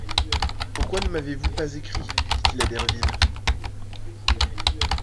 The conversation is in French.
Pourquoi ne m’avez-vous pas écrit? dit-il à Derville.